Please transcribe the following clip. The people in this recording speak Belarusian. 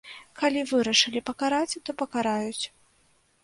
Калі вырашылі пакараць, то пакараюць.